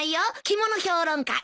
着物評論家